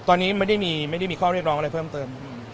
ตอนนี้ไม่ได้มีไม่ได้มีข้อเรียกร้องอะไรเพิ่มเติมครับ